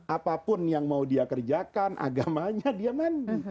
apapun yang mau dia kerjakan agamanya dia mandi